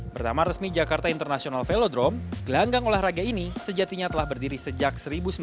bertama resmi jakarta international velodrom gelanggang olahraga ini sejatinya telah berdiri sejak seribu sembilan ratus tujuh puluh tiga